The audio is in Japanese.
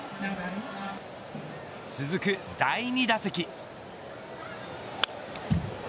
続く第２打席。